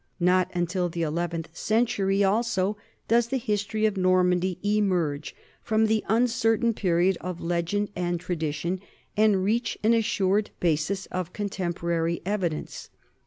Not until the eleventh century also does the history of Normandy emerge from the uncertain period of legend and tradition and reach an assured basis of contempo rary evidence.